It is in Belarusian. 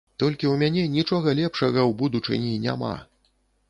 Толькі ў мяне нічога лепшага ў будучыні няма.